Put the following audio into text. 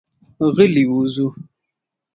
غلي وځو.